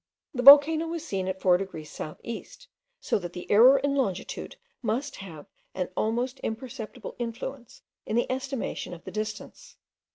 The volcano was seen at 4 degrees south east, so that the error in longitude must have an almost imperceptible influence in the estimation of the distance.